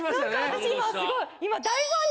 私今すごい。